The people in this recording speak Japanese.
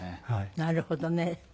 なるほどね。